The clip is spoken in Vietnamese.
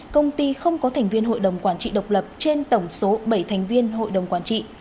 công ty không có thành viên hội đồng quản trị độc lập trên tổng số bảy thành viên hội đồng quản trị